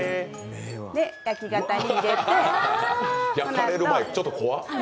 焼き型に入れて焼くと焼かれる前、ちょっと怖。